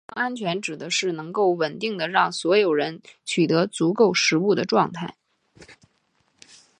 粮食安全指的是能够稳定地让所有人取得足够食物的状态。